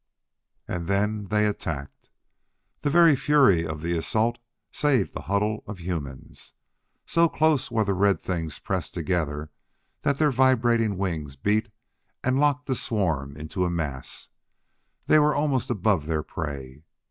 And then they attacked. The very fury of the assault saved the huddle of humans. So close were the red things pressed together that their vibrating wings beat and locked the swarm into a mass. They were almost above their prey.